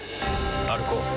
歩こう。